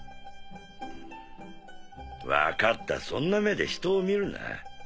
分かったそんな目でひとを見るな。